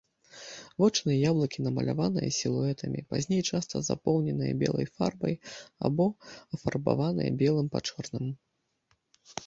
Вочныя яблыкі намаляваныя сілуэтамі, пазней часта запоўненыя белай фарбай або афарбаваныя белым па чорным.